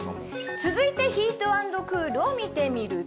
続いてヒート＆クールを見てみると。